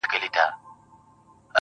چاته د دار خبري ډيري ښې دي.